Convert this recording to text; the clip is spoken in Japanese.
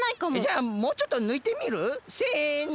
じゃあもうちょっとぬいてみる？せの！